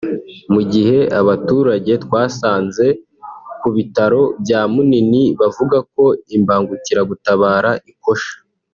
Mu gihe abaturage twasanze ku bitaro bya Munini bavuga ko imbangukiragutabara ikosha